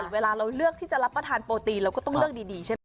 เวลาเราเลือกที่จะรับประทานโปรตีนเราก็ต้องเลือกดีใช่ไหม